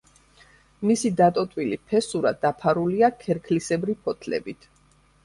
მისი დატოტვილი ფესურა დაფარულია ქერქლისებრი ფოთლებით.